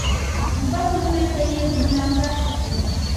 بل لوري ته یې غرونه پراته دي.